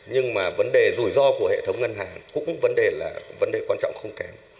nhưng mà vấn đề rủi ro của hệ thống ngân hàng cũng vấn đề là vấn đề quan trọng không kém